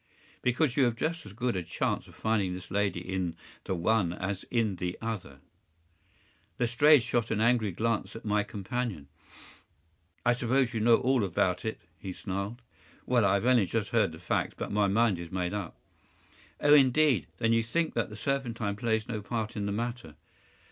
” “Because you have just as good a chance of finding this lady in the one as in the other.” Lestrade shot an angry glance at my companion. “I suppose you know all about it,” he snarled. “Well, I have only just heard the facts, but my mind is made up.” “Oh, indeed! Then you think that the Serpentine plays no part in the matter?